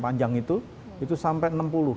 panjang itu itu sampai enam puluh